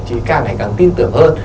chị càng ngày càng tin tưởng hơn